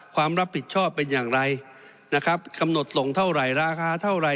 ความรับผิดชอบเป็นอย่างไรนะครับกำหนดส่งเท่าไหร่ราคาเท่าไหร